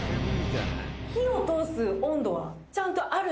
火を通す温度はちゃんとあるってこと。